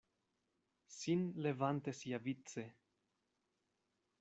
Sin levante siavice: